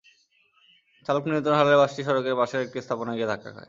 চালক নিয়ন্ত্রণ হারালে বাসটি সড়কের পাশের একটি স্থাপনায় গিয়ে ধাক্কা খায়।